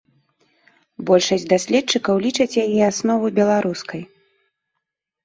Большасць даследчыкаў лічаць яе аснову беларускай.